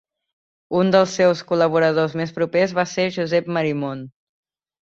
Un dels seus col·laboradors més propers va ser Josep Marimon.